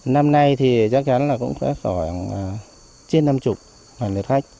năm nay thì chắc chắn là cũng sẽ khoảng trên năm mươi lượt khách